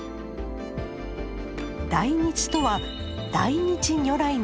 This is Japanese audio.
大日とは大日如来のこと。